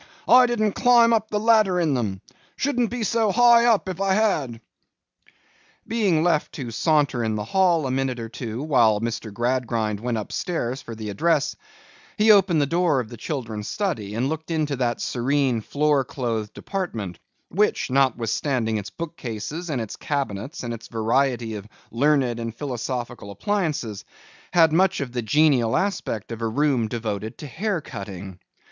'I didn't climb up the ladder in them.—Shouldn't be so high up, if I had.' Being left to saunter in the hall a minute or two while Mr. Gradgrind went up stairs for the address, he opened the door of the children's study and looked into that serene floor clothed apartment, which, notwithstanding its book cases and its cabinets and its variety of learned and philosophical appliances, had much of the genial aspect of a room devoted to hair cutting.